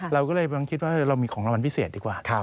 เราก็เลยคิดว่าเรามีของรางวัลพิเศษดีกว่า